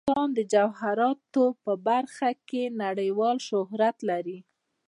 افغانستان د جواهرات په برخه کې نړیوال شهرت لري.